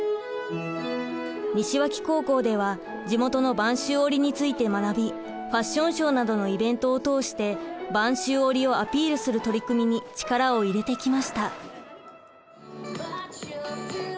西脇高校では地元の播州織について学びファッションショーなどのイベントを通して播州織をアピールする取り組みに力を入れてきました。